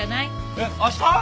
えっ明日！？